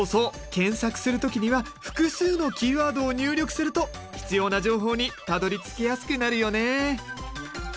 検索する時には複数のキーワードを入力すると必要な情報にたどりつきやすくなるよね。